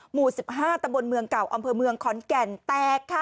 หมู่๑๕ตะบนเมืองเก่าอำเภอเมืองขอนแก่นแตกค่ะ